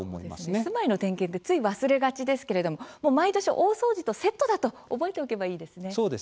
住まいの点検ってつい忘れがちですけれども毎年大掃除とセットだと覚えておけばいいですね。